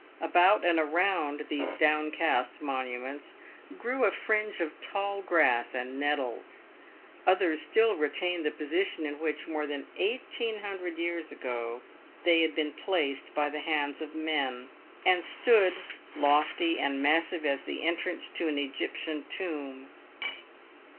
About and around these downcast monuments grew a fringe of tall grass and nettles. Others still retained the posi tion in which, more than eighteen hundred years ago, they had been placed by the hands of men, and stood lofty and massive as the entrance to an Egyptian tomb.